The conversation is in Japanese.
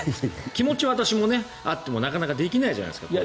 気持ちは私もあっても、なかなかできないじゃないですか。